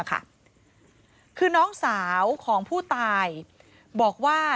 คือน้องสาวของผู้ตายบอกว่า